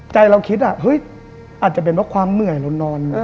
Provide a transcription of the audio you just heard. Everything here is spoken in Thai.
เราคิดอาจจะเป็นเพราะความเหนื่อยเรานอน